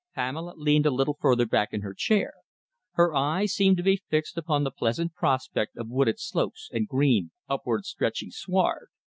Pamela leaned a little further back in her chair. Her eyes seemed to be fixed upon the pleasant prospect of wooded slopes and green, upward stretching sward.